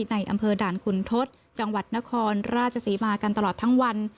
ในอำเภอด่านขุนทศจังหวัดนครราชศรีมากันตลอดทั้งวัน